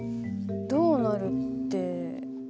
どうなるって。